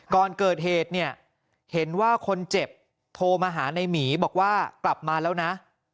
ก่อนเกิดเหตุเนี่ยเห็นว่าคนเจ็บโทรมาหาในหมีบอกว่ากลับมาแล้วนะ